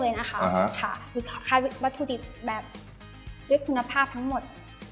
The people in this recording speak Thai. เลยนะคะอ่าฮะค่ะค่ะค่ะวัตถุดิบแบบด้วยคุณภาพทั้งหมด